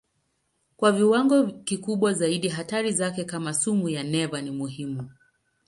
Kwa viwango kikubwa zaidi hatari zake kama sumu ya neva ni muhimu.